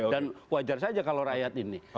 dan wajar saja kalau rakyat ini